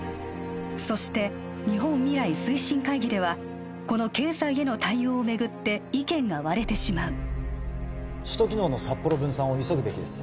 そして日本未来推進会議ではこの経済への対応を巡って意見が割れてしまう首都機能の札幌分散を急ぐべきです